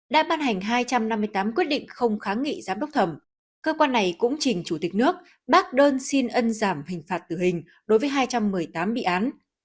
đã ban hành hai trăm năm mươi tám quyết định không kháng nghị giám đốc thẩm cơ quan này cũng trình chủ tịch nước bác đơn xin ân giảm hình phạt tử hình đối với hai trăm một mươi tám bị án